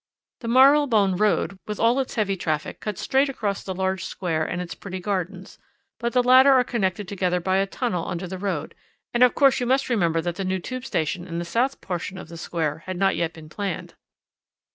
The Marylebone Road, with all its heavy traffic, cuts straight across the large square and its pretty gardens, but the latter are connected together by a tunnel under the road; and of course you must remember that the new tube station in the south portion of the Square had not yet been planned.